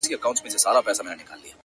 o سر مي بلند دی ـ